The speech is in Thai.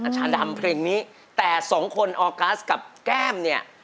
ชาดำเพลงนี้แต่สองคนออกัสกับแก้มเนี่ย